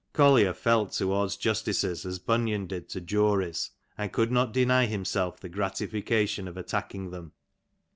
Collier felt towards justices as Bunyan did to juries, and could not deny himself the gratification of attacking them.